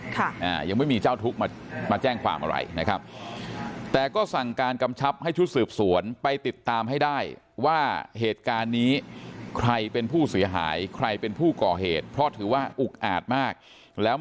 ค่ะอ่ายังไม่มีเจ้าทุกข์มามาแจ้งความอะไรนะครับ